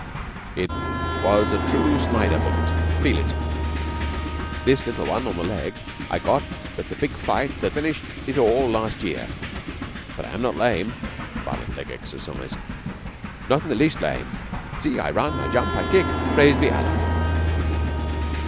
It was a true Snider bullet. Feel it! This little one on the leg I got at the big fight that finished it all last year. But I am not lame (violent leg exercise), not in the least lame. See! I run. I jump. I kick. Praised be Allah!